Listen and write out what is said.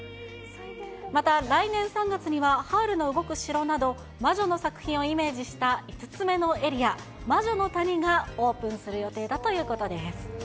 また来年３月には、ハウルの動く城など、魔女の作品をイメージした５つ目のエリア、魔女の谷がオープンする予定だということです。